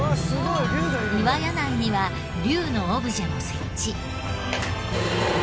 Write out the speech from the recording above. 岩屋内には龍のオブジェも設置。